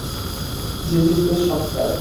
যে জিতবে সব তার।